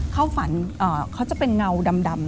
เขาฝันเขาจะเป็นเงาดำ